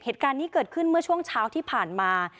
เหตุการณ์นี้เกิดขึ้นเมื่อช่วงเช้าที่ผ่านมา